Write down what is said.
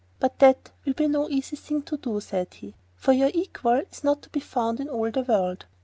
'But that will be no easy thing to do,' said he, 'for your equal is not to be found in all the world.